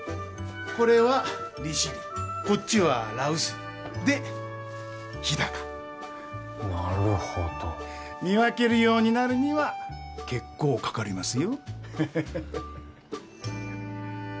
これは利尻こっちは羅臼で日高なるほど見分けるようになるには結構かかりますよ